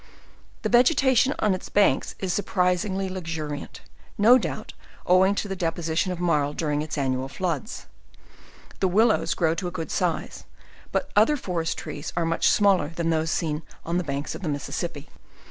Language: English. The vegetation on its banks is surprisingly lux uriant; no doubt, owing to the deposition of marl during iti annual floods. The willows grow to a good size; but other forest trees are much smaller than those seen on the bankf 12 178 JOURNAL OP of the Mississippi.